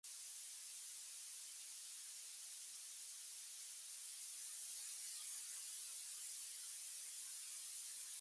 Most of the band's material was also written and supplied by Nichol.